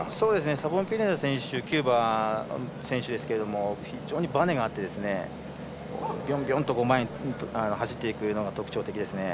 サボンピネダ選手はキューバの選手ですけど非常にバネがあってビョンビョンと前に走っていくのが特徴的ですね。